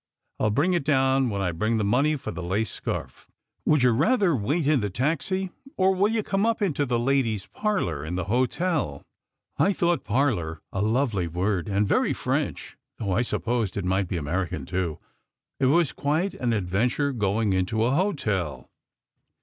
I ll bring it down when I bring the money for the lace scarf. Would you rather wait in the taxi, or will you come into the ladies parlour in the hotel? " I thought "parlour" a lovely word, and very French, though I supposed it might be American, too. It was quite an adventure going into an hotel.